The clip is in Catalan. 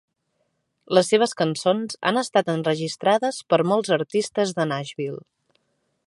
Les seves cançons han estat enregistrades per molts artistes de Nashville.